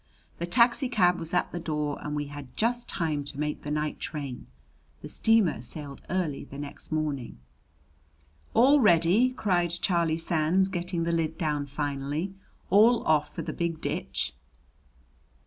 The taxicab was at the door and we had just time to make the night train. The steamer sailed early the next morning. "All ready!" cried Charlie Sands, getting the lid down finally. "All off for the Big Ditch!"